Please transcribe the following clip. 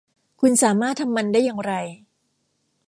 คุณสามารถทำมันได้อย่างไร